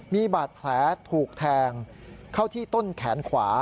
มีบาดแผลถูกแทงเข้าที่ต้นแขนขวา